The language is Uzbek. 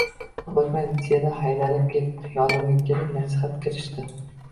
koʻp oʻtmay litseydan haydalib ketdi – yonimga kelib nasihatga kirishdi: